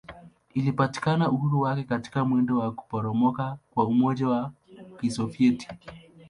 Ilipata uhuru wake katika mwendo wa kuporomoka kwa Umoja wa Kisovyeti.